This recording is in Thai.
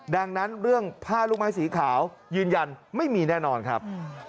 ดังนั้นเรื่องผ้าลูกไม้สีขาวยืนยันไม่มีแน่นอนครับ